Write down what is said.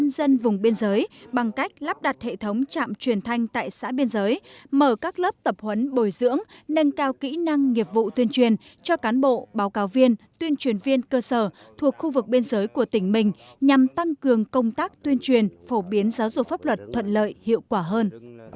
dân vùng biên giới bằng cách lắp đặt hệ thống trạm truyền thanh tại xã biên giới mở các lớp tập huấn bồi dưỡng nâng cao kỹ năng nghiệp vụ tuyên truyền cho cán bộ báo cáo viên tuyên truyền viên cơ sở thuộc khu vực biên giới của tỉnh mình nhằm tăng cường công tác tuyên truyền phổ biến giáo dục pháp luật thuận lợi hiệu quả hơn